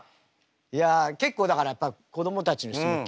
いや結構だからやっぱ子どもたちの質問厳しいね。